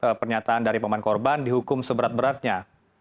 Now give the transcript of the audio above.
apakah pernyataan dari paman korban dihukum seberat beratnya